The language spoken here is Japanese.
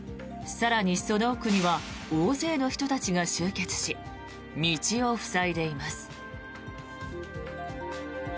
更にその奥には大勢の人たちが集結し道を塞いでいます。